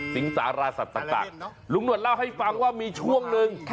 สาราสัตว์ต่างลุงหนวดเล่าให้ฟังว่ามีช่วงหนึ่ง